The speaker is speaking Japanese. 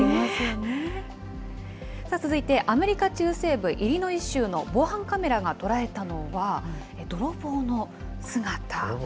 続いてアメリカ中西部イリノイ州の防犯カメラが捉えたのは、泥棒の姿。